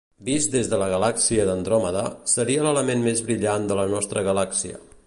Vist des de la galàxia d'Andròmeda, seria l'element més brillant de la nostra galàxia.